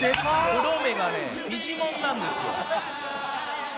「黒目がねフィジモンなんですよ」